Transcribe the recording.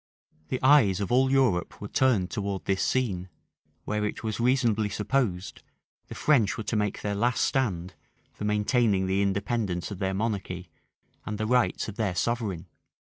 The eyes of all Europe were turned towards this scene; where, it was reasonably supposed, the French were to make their last stand for maintaining the independence of their monarchy, and the rights of their sovereign.